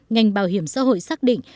ngành bảo hiểm xã hội xác định